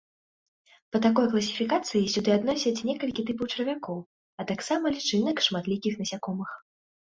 Па такой класіфікацыі сюды адносяць некалькі тыпаў чарвякоў, а таксама лічынак шматлікіх насякомых.